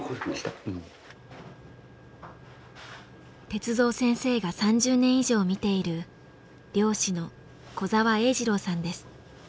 鉄三先生が３０年以上診ている漁師の小澤栄次郎さんです。